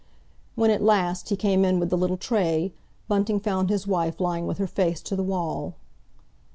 When, at last, he came in with the little tray, Bunting found his wife lying with her face to the wall.